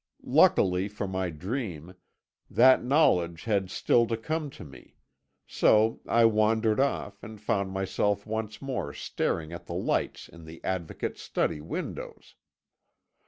Luckily for my dream, that knowledge had still to come to me, so I wandered off, and found myself once more staring at the lights in the Advocate's study windows.